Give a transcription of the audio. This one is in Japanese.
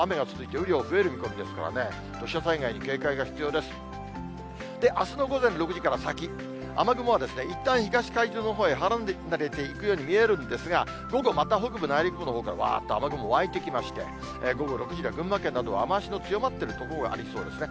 雨雲はいったん東海上のほうに離れていくように見えるんですが、午後、また北部、内陸部のほうから、わーっと雨雲湧いてきまして、午後６時では群馬県などは雨足の強まってる所がありそうですね。